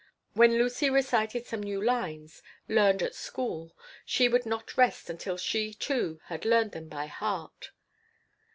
Whenever Lucy recited some new lines, learned at school, she would not rest until she, too, had learned them by heart.